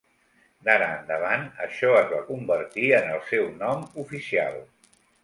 D'ara endavant, això es va convertir en el seu nom oficial.